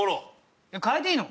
変えていいの？